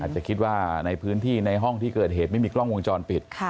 จะคิดว่าในพื้นที่ในห้องที่เกิดเหตุไม่มีกล้องวงจรปิด